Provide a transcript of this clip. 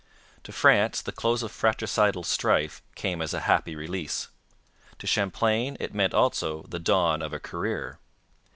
To France the close of fratricidal strife came as a happy release. To Champlain it meant also the dawn of a career.